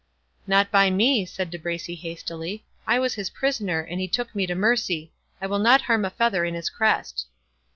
"Not by me," said De Bracy, hastily; "I was his prisoner, and he took me to mercy. I will not harm a feather in his crest."